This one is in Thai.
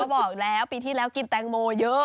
ก็บอกแล้วปีที่แล้วกินแตงโมลูกเยอะ